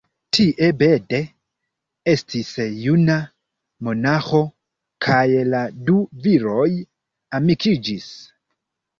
Tie Bede estis juna monaĥo, kaj la du viroj amikiĝis.